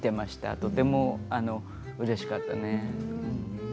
とてもうれしかったね。